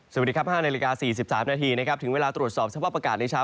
สวัสดีครับ๕นาฬิกา๔๓นาทีนะครับถึงเวลาตรวจสอบสภาพอากาศในเช้า